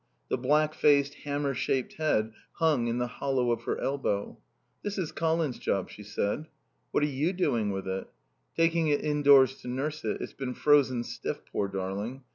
The black faced, hammer shaped head hung in the hollow of her elbow. "This is Colin's job," she said. "What are you doing with it?" "Taking it indoors to nurse it. It's been frozen stiff, poor darling.